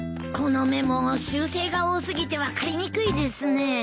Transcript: このメモ修正が多過ぎて分かりにくいですね。